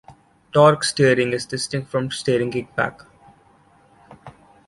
Torque steering is distinct from steering kickback.